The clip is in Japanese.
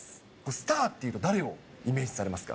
スターというと誰をイメージされますか？